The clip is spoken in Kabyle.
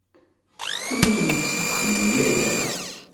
Ur awen-tt-id-temla ara.